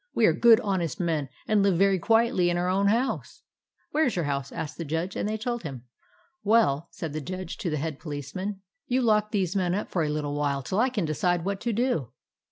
" We are good, honest men, and live very quietly in our own house." " Where is your house ?" asked the Judge; and they told him. " Well," said the Judge, to the Head Police man. " You lock these men up for a little while, till I can decide what to do."